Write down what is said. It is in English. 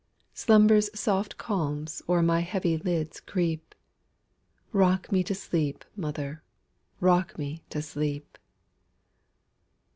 Slumber's soft calms o'er my heavy lids creep;—Rock me to sleep, mother,—rock me to sleep!